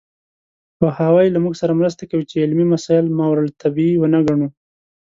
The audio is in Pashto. پوهاوی له موږ سره مرسته کوي چې علمي مسایل ماورالطبیعي ونه ګڼو.